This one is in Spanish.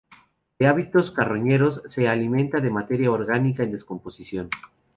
De hábitos carroñeros se alimenta de materia orgánica en descomposición.